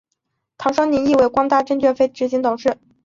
唐双宁亦为光大证券非执行董事。